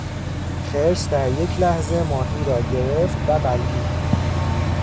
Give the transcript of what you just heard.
خرس در یک لحظه ماهی را گرفت و بلعید.